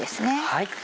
はい。